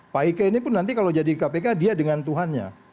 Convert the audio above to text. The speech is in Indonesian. pak ike ini pun nanti kalau jadi kpk dia dengan tuhannya